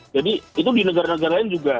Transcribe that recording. jadi itu di negara negara lain juga